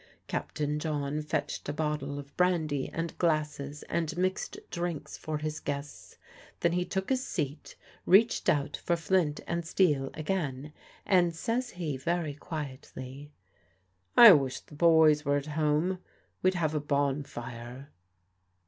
Captain John fetched a bottle of brandy and glasses and mixed drinks for his guests. Then he took his seat, reached out for flint and steel again, and says he very quietly "I wish the boys were at home. We'd have a bonfire."